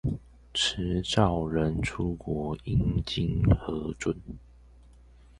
持照人出國應經核准